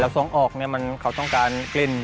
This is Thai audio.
ส่งออกเขาต้องการกลิ่น